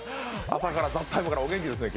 朝から、「ＴＨＥＴＩＭＥ，」からお元気ですね。